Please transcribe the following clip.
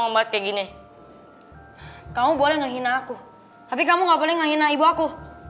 banget kayak gini kamu boleh menghina aku tapi kamu nggak boleh menghina ibu aku